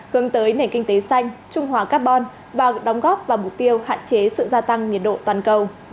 hướng tới nền kinh tế xanh trung hòa carbon và đóng góp vào mục tiêu hạn chế sự gia tăng nhiệt độ toàn cầu